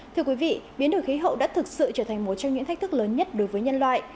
thưa quý vị biến đổi khí hậu đã thực sự trở thành một trong những thách thức lớn nhất đối với nhân loại